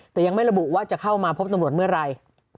แต่ยังไม่ระบุว่าจะเข้ามาพบตำรวจเมื่อไหร่